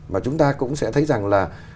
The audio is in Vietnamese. mà chúng ta cũng sẽ thấy rằng là